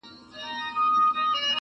• شپه به مي وباسي له ښاره څخه -